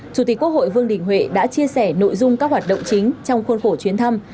chủ tịch quốc hội vương đình huệ đã chia sẻ nội dung các hoạt động chính trong khuôn khổ chuyến thăm